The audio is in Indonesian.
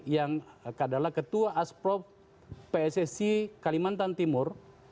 yang adalah ketua asprov pssc kalimantan timur